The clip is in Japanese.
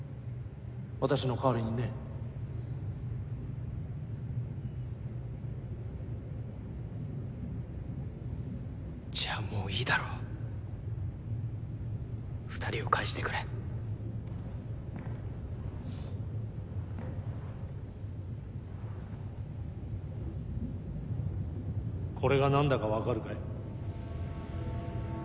私の代わりにねじゃあもういいだろう２人を返してくれこれが何だか分かるかい？